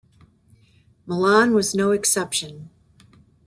Milan was no exception.